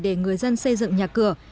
để người dân xây dựng nhà cửa